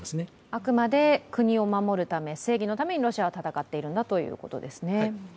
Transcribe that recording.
あくまで国を守るため、正義のためにロシアは戦っているんだということですね。